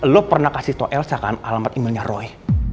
lo pernah kasih to elsa kan alamat emailnya roy